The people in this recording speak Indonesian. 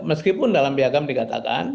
meskipun dalam biagam dikatakan